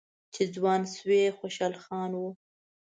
چې ځوان شوی خوشحال خان و